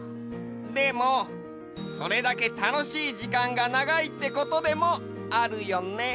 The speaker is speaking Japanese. でもそれだけたのしい時間がながいってことでもあるよね。